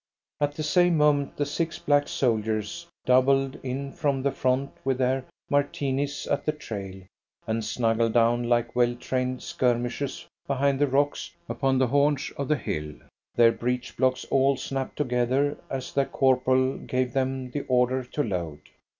At the same moment the six black soldiers doubled in from the front with their Martinis at the trail, and snuggled down like well trained skirmishers behind the rocks upon the haunch of the hill. Their breech blocks all snapped together as their corporal gave them the order to load.